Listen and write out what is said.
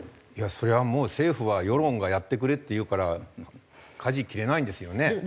そりゃもう政府は世論が「やってくれ」って言うからかじ切れないんですよね。